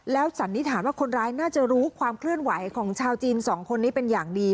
สันนิษฐานว่าคนร้ายน่าจะรู้ความเคลื่อนไหวของชาวจีนสองคนนี้เป็นอย่างดี